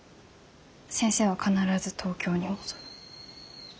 先生は必ず東京に戻る。